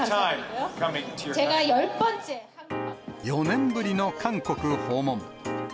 ４年ぶりの韓国訪問。